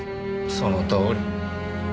そのとおり。